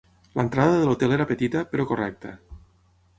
L'entrada de l'hotel era petita, però correcta.